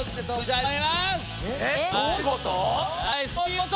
えっどういうこと！？